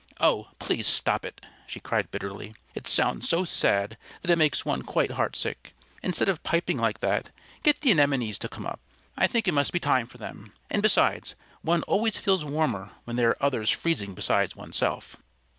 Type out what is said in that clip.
"Oh, please stop it!" she cried bitterly. "It sounds so sad that it makes one quite heartsick. Instead of piping like that, get the Anemones to come up. I think it must be time for them. And besides, one always feels warmer when there are others freezing besides oneself."